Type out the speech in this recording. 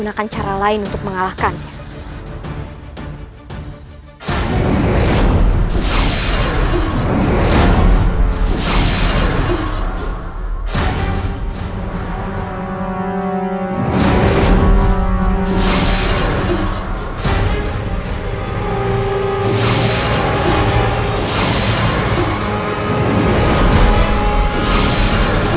jangan sampai kau menyesal sudah menentangku